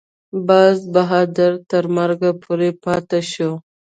باز بهادر تر مرګه پورې پاته شو.